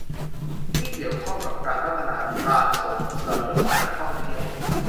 ที่เกี่ยวข้องกับการพัฒนาการส่งเสริมการท่องเที่ยว